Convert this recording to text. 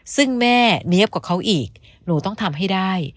ซึ่งแม่เนี๊ยบกว่าเขาอีกหนูต้องทำให้ได้